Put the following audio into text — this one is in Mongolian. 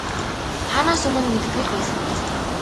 Хаанаас өмнө мэддэг л байсан биз.